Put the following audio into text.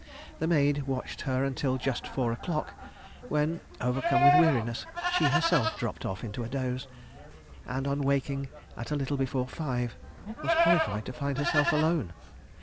The maid watched her until just four o'clock, when, overcome with weariness, she herself dropped off into a doze, and on waking at a little before five, was horrified to find herself alone.